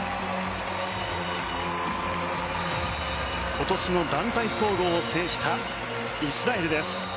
今年の団体総合を制したイスラエルです。